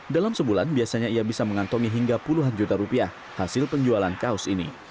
dalam sebulan biasanya ia bisa mengantongi hingga puluhan juta rupiah hasil penjualan kaos ini